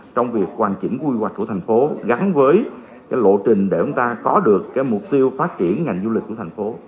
trong việc hoàn chỉnh quy hoạch của thành phố gắn với lộ trình để chúng ta có được mục tiêu phát triển ngành du lịch của thành phố